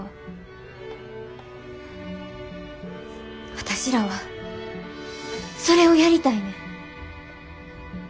私らはそれをやりたいねん。